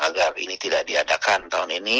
agar ini tidak diadakan tahun ini